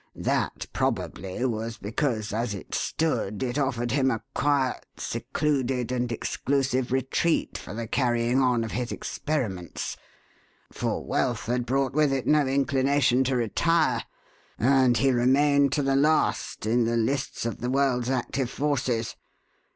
That, probably, was because, as it stood, it offered him a quiet, secluded, and exclusive retreat for the carrying on of his experiments; for wealth had brought with it no inclination to retire, and he remained to the last in the lists of the world's active forces.